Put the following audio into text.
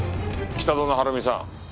北園晴美さん